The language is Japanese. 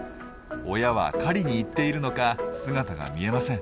親は狩りに行っているのか姿が見えません。